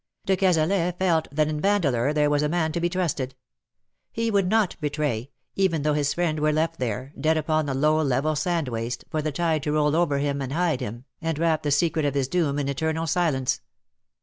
De Cazalet felt that in Vandeleur there was a man to be trusted. He would not betray, even though his friend were left there, dead upon the low level sand waste, for the tide to roll over him and hide him, and wrap the secret of his doom in eternal silence.